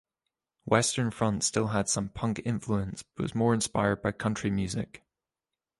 Western Front still had some punk influence but was more inspired by country music.